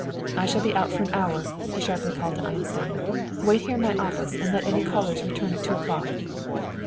"I shall be out for an hour," he sharply called to Einstein. "Wait here in my office and let any callers return at two o'clock!"